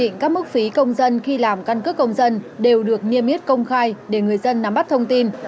quy định các mức phí công dân khi làm căn cước công dân đều được niêm yết công khai để người dân nắm bắt thông tin